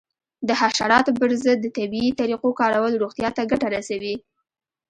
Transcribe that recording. د حشراتو پر ضد د طبیعي طریقو کارول روغتیا ته ګټه رسوي.